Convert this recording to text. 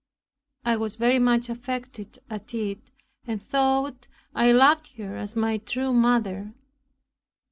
I was very much affected at it, and thought I loved her as my true mother.